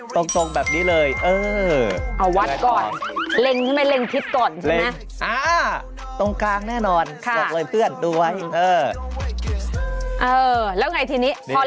แล้วไงทีนี้พอเล็งเสร็จเรียบร้อยกลับมา